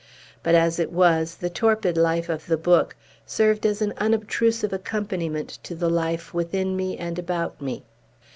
But, as it was, the torpid life of the book served as an unobtrusive accompaniment to the life within me and about me.